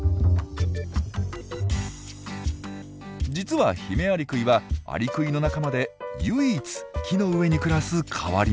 実はヒメアリクイはアリクイの仲間で唯一木の上に暮らす変わり者。